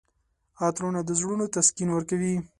عطرونه د زړونو تسکین ورکوي.